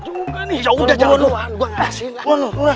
udah jalan duluan gua gak kasih